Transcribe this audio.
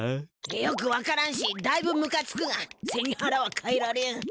よくわからんしだいぶむかつくがせにはらはかえられん。